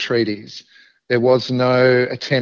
tidak ada pertemuan untuk